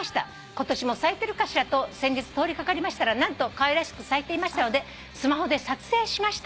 「今年も咲いてるかしらと先日通り掛かりましたら何とかわいらしく咲いていましたのでスマホで撮影しました。